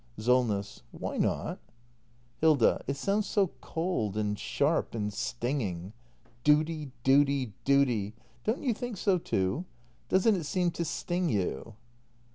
Solness. Why not ? Hilda. It sounds so cold, and sharp, and stinging. Duty — duty — duty. Don't you think so, too ? Doesn't it seem to sting you